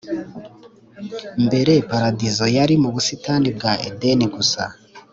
Mbere paradizo yari mu busitani bwa Edeni gusa